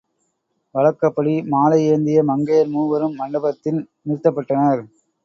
வழக்கப்படி மாலை ஏந்திய மங்கையர் மூவரும் மண்டபத்தில் நிறுத்தப்பட்டனர்.